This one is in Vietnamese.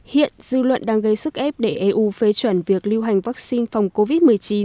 hiện dư luận đang gây sức ép để eu phê chuẩn việc lưu hành vaccine phòng covid một mươi chín